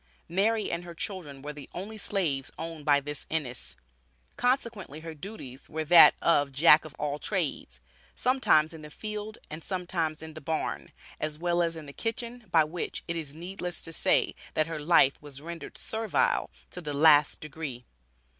Mary and her children were the only slaves owned by this Ennis, consequently her duties were that of "Jack of all trades;" sometimes in the field and sometimes in the barn, as well as in the kitchen, by which, it is needless to say, that her life was rendered servile to the last degree.